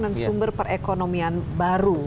dan sumber perekonomian baru